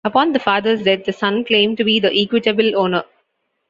Upon the father's death, the son claimed to be the equitable owner.